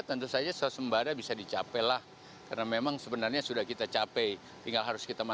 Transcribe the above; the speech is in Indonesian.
tentu saja sosembara bisa dicapai lah karena memang sebenarnya sudah kita cape tinggal kita harus mantapkan